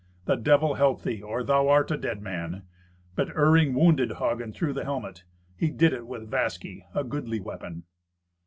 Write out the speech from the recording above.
The Devil help thee, or thou art a dead man." But Iring wounded Hagen through the helmet. He did it with Vasky, a goodly weapon.